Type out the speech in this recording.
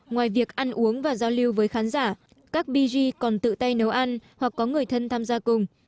ngoài việc ăn uống và giao lưu với khán giả các bj còn tự tay nấu ăn hoặc có người thân tham gia cùng